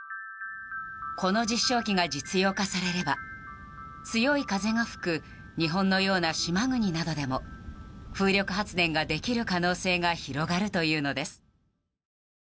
この実証機が実用化されれば強い風が吹く日本のような島国などでも風力発電ができる可能性が広がるというのです。